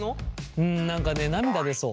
うん何かね涙出そう。